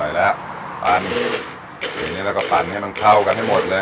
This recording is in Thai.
ปั่นทีนี้เราก็ปั่นให้มันเข้ากันให้หมดเลย